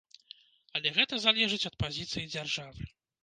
Але гэта залежыць ад пазіцыі дзяржавы.